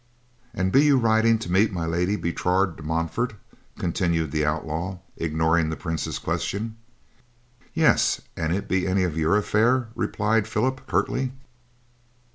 "And be you riding to meet my Lady Bertrade de Montfort?" continued the outlaw, ignoring the Prince's question. "Yes, an it be any of your affair," replied Philip curtly.